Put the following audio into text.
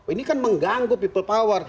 ini kan mengganggu people power